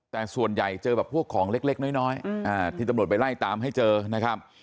แต่ส่วนใหญ่เจอแบบพวกของเล็กน้อยที่ตำรวจไปไล่ตามให้เจอนะครับ